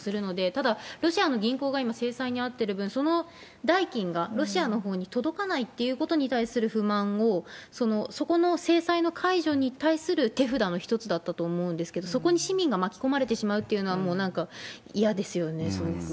ただ、ロシアの銀行が今、制裁に遭ってる分、その代金がロシアのほうに届かないってことに対する不満を、そこの制裁の解除に対する手札の一つだったと思うんですけれども、そこに市民が巻き込まれてしまうっていうのは、もうなんか、いやそうですね。